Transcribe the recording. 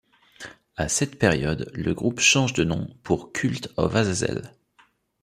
À cette période, le groupe change de nom pour Kult ov Azazel.